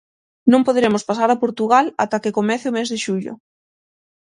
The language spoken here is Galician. Non poderemos pasar a Portugal ata que comece o mes de xullo.